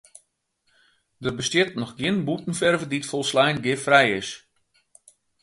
Der bestiet noch gjin bûtenferve dy't folslein giffrij is.